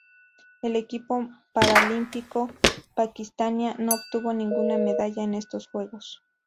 El equipo paralímpico pakistaní no obtuvo ninguna medalla en estos Juegos.